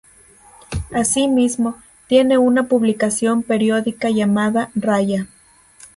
Asimismo, tiene una publicación periódica llamada "Raya.